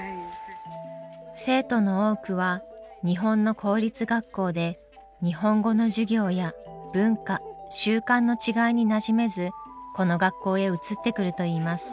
生徒の多くは日本の公立学校で日本語の授業や文化習慣の違いになじめずこの学校へ移ってくるといいます。